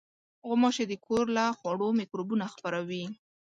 غوماشې د کور له خوړو مکروبونه خپروي.